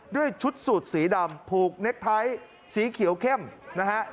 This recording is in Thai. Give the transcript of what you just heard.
ด้วยชุดสูตรสีดำผูกเน็กไทท์สีเขียวเข้มนะฮะ